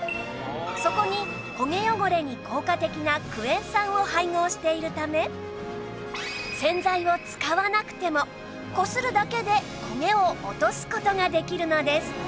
そこにコゲ汚れに効果的なクエン酸を配合しているため洗剤を使わなくてもこするだけでコゲを落とす事ができるのです